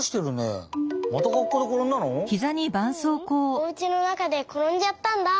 おうちの中でころんじゃったんだ。